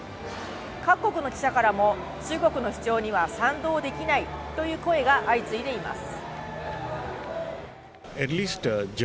各国の記者からも中国の主張には賛同できないという声が相次いでいます。